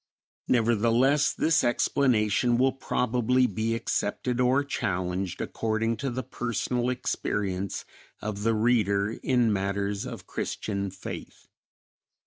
Nevertheless, this explanation will probably be accepted or challenged according to the personal experience of the reader in matters of Christian faith.